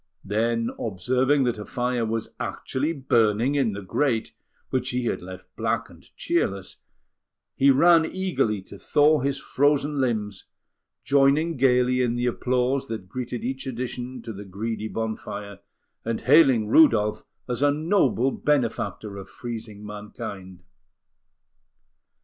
Then, observing that a fire was actually burning in the grate, which he had left black and cheerless, he ran eagerly to thaw his frozen limbs, joining gaily in the applause that greeted each addition to the greedy bonfire, and hailing Rudolf as a noble benefactor of freezing mankind.